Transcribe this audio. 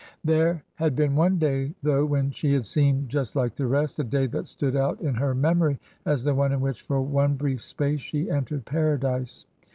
There had been one day, though, when she had seemed just like the rest— a day that stood out in her memory as the one in which for one brief space she entered paradise.